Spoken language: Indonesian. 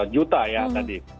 sembilan juta ya tadi